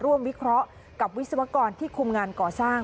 วิเคราะห์กับวิศวกรที่คุมงานก่อสร้าง